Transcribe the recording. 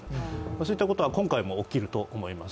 そういったことは今回も起きると思います。